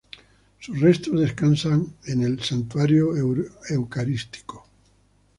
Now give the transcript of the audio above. Sus restos descansan en el Santuario Eucarístico.